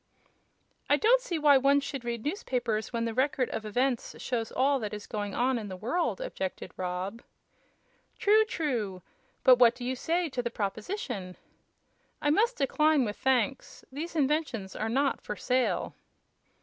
"I don't see why one should read newspapers when the Record of Events shows all that is going on in the world," objected Rob. "True, true! But what do you say to the proposition?" "I must decline, with thanks. These inventions are not for sale."